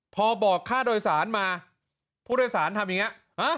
พอบอกค่าโดยสารมาผู้โดยสารทำอย่างนี้